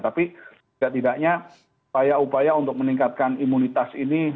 tapi setidaknya upaya upaya untuk meningkatkan imunitas ini